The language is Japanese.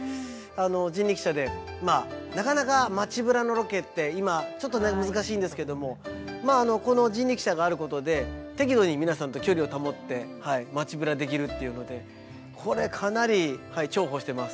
人力車でまあなかなか町ブラのロケって今ちょっとね難しいんですけどもまああのこの人力車があることで適度に皆さんと距離を保って町ブラできるっていうのでこれかなり重宝してます。